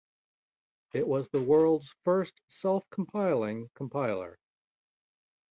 It was the world's first self-compiling compiler.